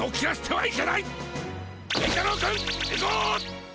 はい。